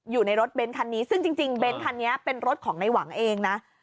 อยู่ในรถเบนท์คันนี้ซึ่งจริงเบนท์คันนี้เป็นรถของในหวังเองนะ